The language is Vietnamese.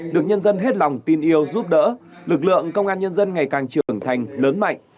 được nhân dân hết lòng tin yêu giúp đỡ lực lượng công an nhân dân ngày càng trưởng thành lớn mạnh